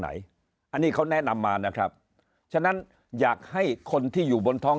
ไหนอันนี้เขาแนะนำมานะครับฉะนั้นอยากให้คนที่อยู่บนท้อง